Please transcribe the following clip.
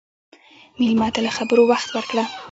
مېلمه ته له خبرو وخت ورکړه.